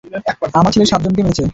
আমার ছেলে সাতজনকে মেরেছে?